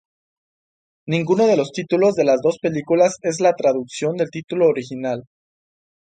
Ninguno de los títulos de las dos películas es la traducción del título original.